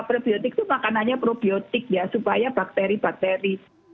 prebiotik itu makanannya probiotik ya supaya bakteri bakteri